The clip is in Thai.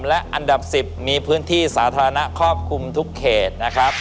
และอันดับ๑๐มีพื้นที่สาธารณะครอบคลุมทุกเขตนะครับ